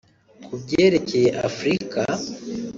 Ku byerekeye Afurika